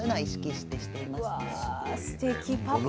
すてきパパ！